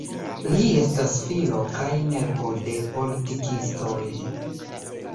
Li estas filo kaj nepo de politikistoj.